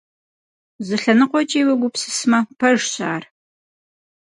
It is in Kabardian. Зы лъэныкъуэкӀи, уегупсысмэ, пэжщ ар.